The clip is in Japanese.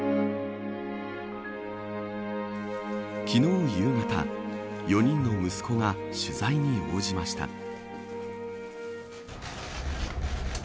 昨日夕方４人の息子が取材に応じました。